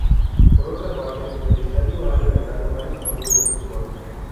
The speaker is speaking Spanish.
Por otra parte, el estadio ha albergado varios partidos de fútbol.